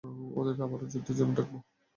ওদেরকে আবারও যুদ্ধের জন্য ডাকব!